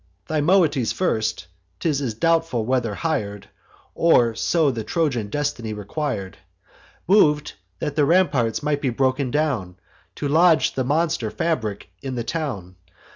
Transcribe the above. Thymoetes first ('tis doubtful whether hir'd, Or so the Trojan destiny requir'd) Mov'd that the ramparts might be broken down, To lodge the monster fabric in the town.